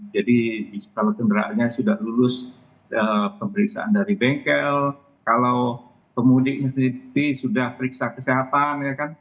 jadi kalau kendaraannya sudah lulus pemeriksaan dari bengkel kalau pemudiknya sendiri sudah periksa kesehatan ya kan